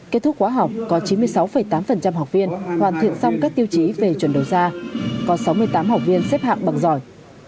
kết thúc khóa học có chín mươi sáu tám học viên hoàn thiện xong các tiêu chí về chuẩn đầu ra có sáu mươi tám học viên xếp hạng bằng giỏi